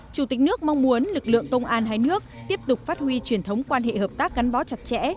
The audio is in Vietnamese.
chủ tịch nước mong muốn lực lượng công an hai nước tiếp tục phát huy truyền thống quan hệ hợp tác gắn bó chặt chẽ